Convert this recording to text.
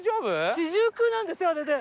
４９なんですよあれで。